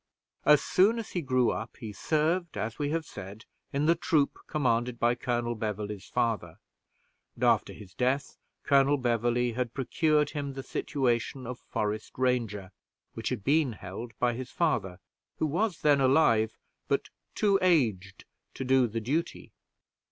As soon as he grew up, he served, as we have said, in the troop commanded by Colonel Beverley's father; and, after his death, Colonel Beverley had procured him the situation of forest ranger, which had been held by his father, who was then alive, but too aged to do duty.